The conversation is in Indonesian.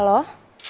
saya mau beli